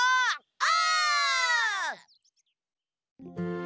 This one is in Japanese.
お！